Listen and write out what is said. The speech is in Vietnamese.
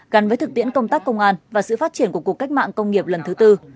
gắn với thực tiễn công tác công an và sự phát triển của cuộc cách mạng công nghiệp lần thứ tư